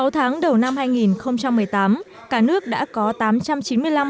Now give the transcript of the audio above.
sáu tháng đầu năm hai nghìn một mươi tám cả nước đã có tám trăm chín mươi năm